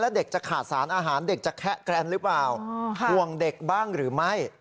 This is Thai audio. เด็กจะขาดสารอาหารเด็กจะแคะแกรนหรือเปล่าห่วงเด็กบ้างหรือไม่